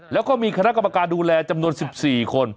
แล้วก็มีคณะกรรมการดูแลจำนวน๑๔คน